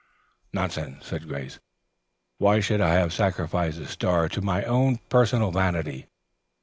"Nonsense," said Grace. "Why should I have sacrificed the star to my own personal vanity?